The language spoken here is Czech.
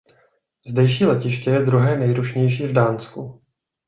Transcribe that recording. Zdejší letiště je druhé nejrušnější v Dánsku.